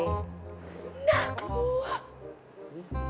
น่ากลัว